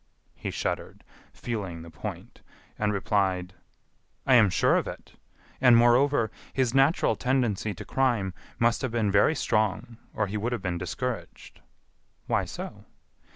He shuddered, feeling the point, and replied: "I am sure of it; and, moreover, his natural tendency to crime must have been very strong or he would have been discouraged." "Why so?"